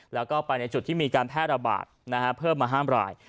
แล้วก็ไปในจุดที่มีการแพร่ระบาดเพิ่มมา๕ราย